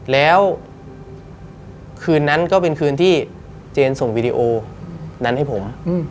แล้วคืนนั้นก็เป็นคืนที่เจนส่งวีดีโอนั้นให้ผม